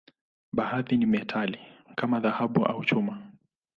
Baadhi ni metali, kama dhahabu au chuma.